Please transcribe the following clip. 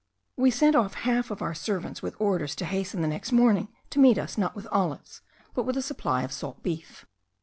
We sent off half of our servants with orders to hasten the next morning to meet us, not with olives, but with a supply of salt beef.